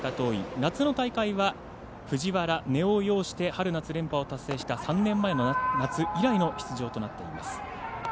夏の大会は、藤原らを擁して春夏連覇を達成した３年前の夏以来の出場となっています。